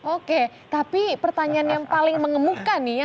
oke tapi pertanyaan yang paling mengemuka nih ya